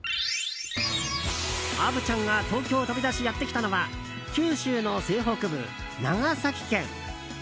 虻ちゃんが東京を飛び出しやってきたのは九州の西北部、長崎県。